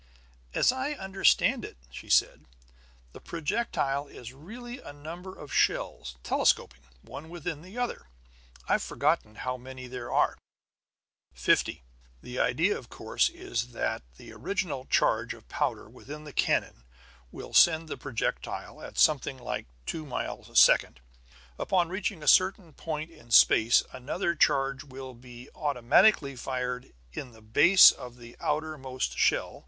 "As I understand it," she said, "the projectile is really a number of shells, telescoping, one within another. I've forgotten how many there are." "Fifty. The idea, of course, is that the original charge of powder within the cannon will send the projectile at something like two miles a second. Upon reaching a certain point in space another charge will be automatically fired in the base of the outermost shell.